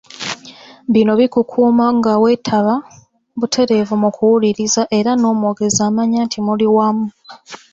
Bino bikukuuma ngaweetaba butereevu mu kuwuliriza ara n’omwogezi amanya nti muli wamu .